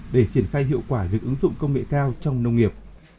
để triển khai hiệu quả việc ứng dụng công nghệ cao trong nông nghiệp